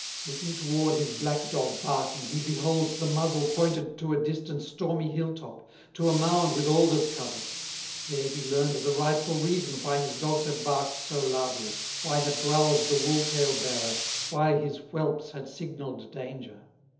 Looking toward his black dog barking, He beholds the muzzle pointed To a distant, stormy hill top, To a mound with alders covered; There he learned the rightful reason, Why his dogs had barked so loudly, Why had growled the wool tail bearer, Why his whelps had signalled danger.